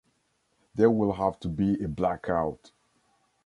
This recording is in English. There will have to be a blackout.